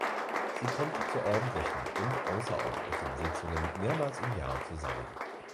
Sie kommt zu ordentlichen und außerordentlichen Sitzungen mehrmals im Jahr zusammen.